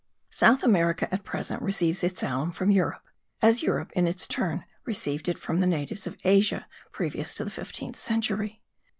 South America at present receives its alum from Europe, as Europe in its turn received it from the natives of Asia previous to the fifteenth century.